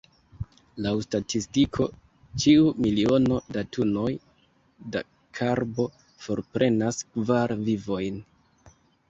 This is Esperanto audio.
Laŭ statistiko, ĉiu miliono da tunoj da karbo forprenas kvar vivojn.